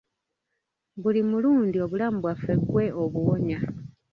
Buli mulundi obulamu bwaffe ggwe obuwonya.